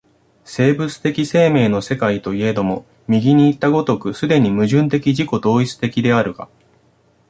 生物的生命の世界といえども、右にいった如く既に矛盾的自己同一的であるが、